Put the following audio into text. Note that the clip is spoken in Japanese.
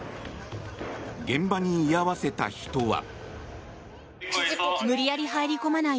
現場に居合わせた人は。